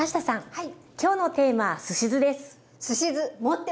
はい。